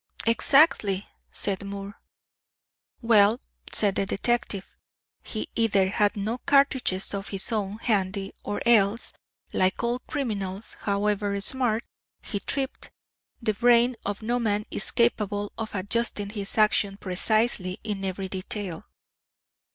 "Exactly," said Moore. "Well," said the detective, "he either had no cartridges of his own handy, or else, like all criminals, however smart, he tripped the brain of no man is capable of adjusting his actions precisely in every detail."